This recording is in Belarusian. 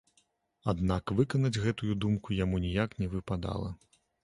Аднак выканаць гэтую думку яму ніяк не выпадала.